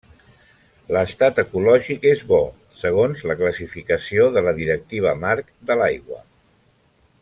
L'estat ecològic és bo, segons la classificació de la Directiva Marc de l'Aigua.